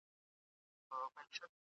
ولي د سړي سر عايد زياتوالی مهم دی؟